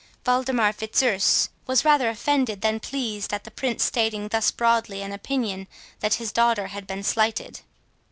Waldemar Fitzurse was rather offended than pleased at the Prince stating thus broadly an opinion, that his daughter had been slighted.